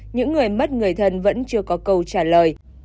những người mất người thân vẫn chưa có câu trả lời